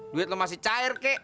duit lo masih cair kek